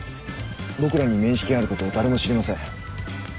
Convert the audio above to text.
僕らに面識がある事を誰も知りません。